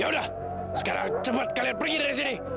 yaudah sekarang cepet kalian pergi dari sini